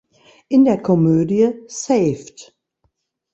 In der Komödie "Saved!